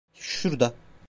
Şurada.